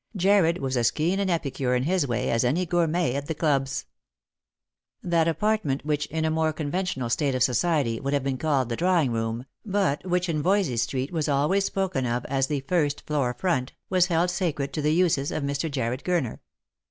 Jarred was as keen an epicure in his way as any gourmet at the clubs. That apartment which, in a more conventional state of society, would have been called the drawing room, but which in Voysey street was always spoken of as the first floor front, was held sacred to the uses of Mr. Jarred Gurner.